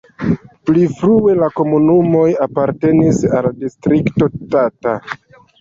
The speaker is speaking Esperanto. Pli frue la komunumoj apartenis al Distrikto Tata.